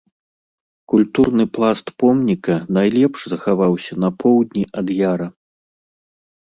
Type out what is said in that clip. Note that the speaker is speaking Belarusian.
Культурны пласт помніка найлепш захаваўся на поўдні ад яра.